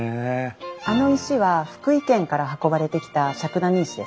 あの石は福井県から運ばれてきた笏谷石です。